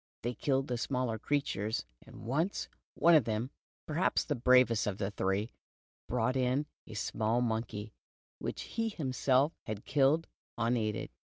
They killed the smaller creatures, and once, one of them, perhaps the bravest of the three, brought in a small monkey, which he himself had killed, unaided.